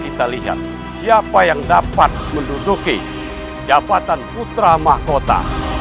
kita lihat siapa yang dapat menduduki jabatan putra mahkota